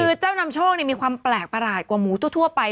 คือเจ้านำโชคมีความแปลกประหลาดกว่าหมูทั่วไป